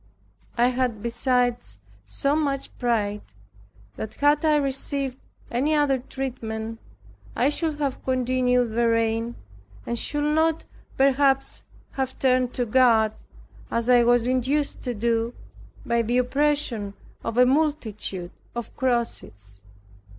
I had beside so much pride, that had I received any other treatment, I should have continued therein, and should not, perhaps, have turned to God as I was induced to do, by the oppression of a multitude of crosses.